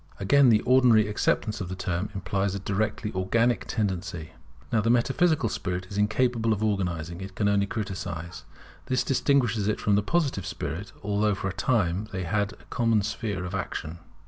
Again, the ordinary acceptation of the term implies a directly organic tendency. Now the metaphysical spirit is incapable of organizing; it can only criticize. This distinguishes it from the Positive spirit, although for a time they had a common sphere of action.